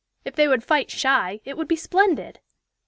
If they would 'fight shy,' it would be splendid."